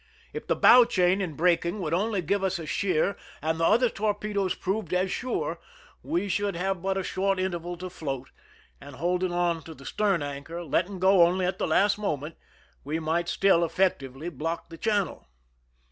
If the bow chain in breaking would only give us a sheer and the other torpedoes proved as sure, we should have but a short interval to float, and hold ing on to the stern anchor, letting go only at the last moment, we might still effectually block the channel.